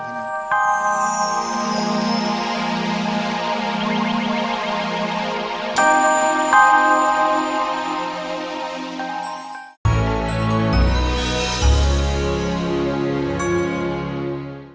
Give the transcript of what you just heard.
sampai jumpa lagi